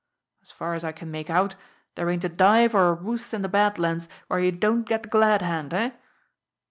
As far as I can make out, there ain't a dive or a roost in the Bad Lands where you don't get the glad hand eh?"